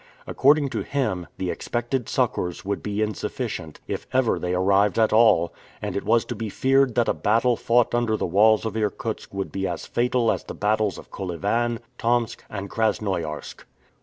According to him, the expected succors would be insufficient, if ever they arrived at all, and it was to be feared that a battle fought under the walls of Irkutsk would be as fatal as the battles of Kolyvan, Tomsk, and Krasnoiarsk.